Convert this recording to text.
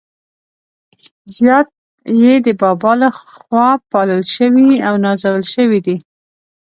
زیات يې د بابا له خوا پالل شوي او نازول شوي دي.